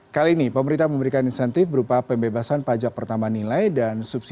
kali ini pemerintah memberikan insentif berupa pembebasan pajak pertama